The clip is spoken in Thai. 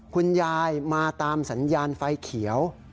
คุณยายมาตามสัญญาณไฟเขียว